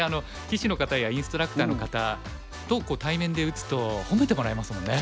棋士の方やインストラクターの方と対面で打つと褒めてもらえますもんね。